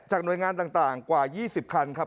จากหน่วยงานต่างกว่ายี่สิบคันครับ